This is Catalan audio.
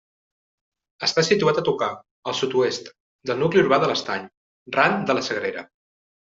Està situat a tocar, al sud-oest, del nucli urbà de l'Estany, ran de la Sagrera.